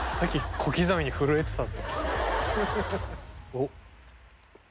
おっ。